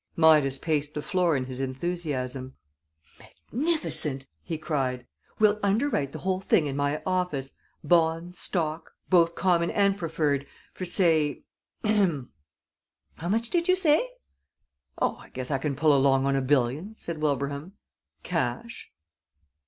Midas paced the floor in his enthusiasm. "Magnificent!" he cried. "We'll underwrite the whole thing in my office bonds, stock, both common and preferred for say ahem! how much did you say?" "Oh, I guess I can pull along on a billion," said Wilbraham. "Cash."